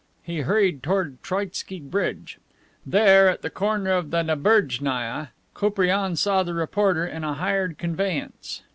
He hurried toward Troitski Bridge. There, at the corner of the Naberjnaia, Koupriane saw the reporter in a hired conveyance.